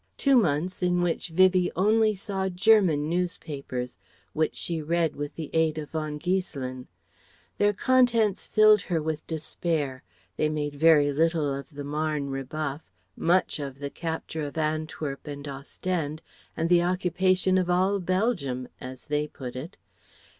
Two months, in which Vivie only saw German newspapers which she read with the aid of von Giesselin. Their contents filled her with despair. They made very little of the Marne rebuff, much of the capture of Antwerp and Ostende, and the occupation of all Belgium (as they put it).